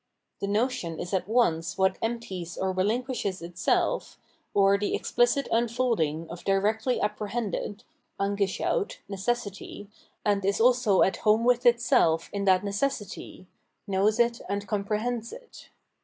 The notion is at once what empties or relinquishes itself, or the exphcit imfolding of directly apprehended {ange sckavt) necessity, and is also at home with itself in that necessity, knows it and comprehends it.